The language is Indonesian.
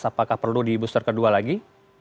apakah perlu di booster kedua lagi